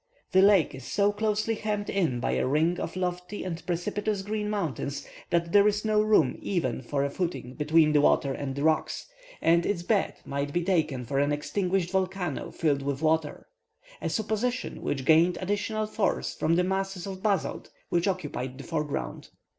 The lake is so closely hemmed in by a ring of lofty and precipitous green mountains, that there is no room even for a footing between the water and the rocks, and its bed might be taken for an extinguished volcano filled with water a supposition which gains additional force from the masses of basalt which occupy the foreground.